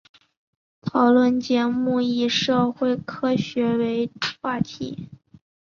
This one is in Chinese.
讨论节目以社会科学为话题。